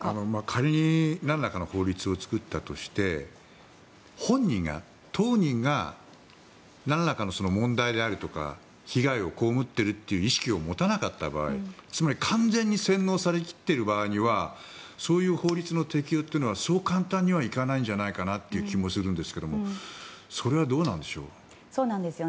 仮に何らかの法律を作ったとして本人が当人が何らかの問題であるとか被害を被っているという意識を持たなかった場合つまり、完全に洗脳されきっている場合にはそういう法律の適用ってのはそう簡単にはいかないんじゃないかなという気もするんですけどもそれはどうでしょう？